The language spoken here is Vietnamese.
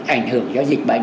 ảnh hưởng do dịch bệnh